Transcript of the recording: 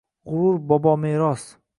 gʼurur bobomeros